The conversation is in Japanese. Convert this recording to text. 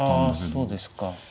そうですか。